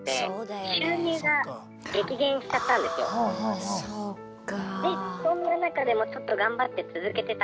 あそっか。